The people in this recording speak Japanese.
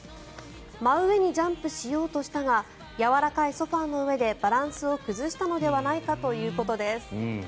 真上にジャンプしようとしたがやわらかいソファの上でバランスを崩したのではないかということです。